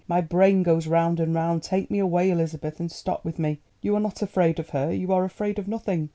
My brain goes round and round. Take me away, Elizabeth, and stop with me. You are not afraid of her, you are afraid of nothing."